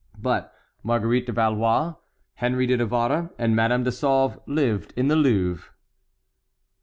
But Marguerite de Valois, Henry de Navarre, and Madame de Sauve lived in the Louvre.